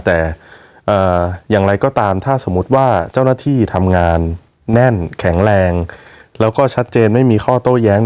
แต่อย่างไรก็ตามถ้าสมมุติว่าเจ้าหน้าที่ทำงานแน่นแข็งแรงแล้วก็ชัดเจนไม่มีข้อโต้แย้ง